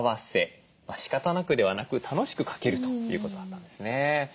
しかたなくではなく楽しく掛けるということだったんですね。